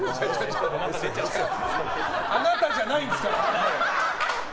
あなたじゃないんですから！